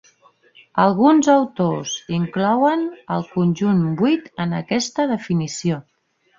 Alguns autors inclouen el conjunt vuit en aquesta definició.